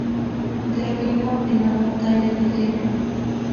Intervino en la batalla del Ebro.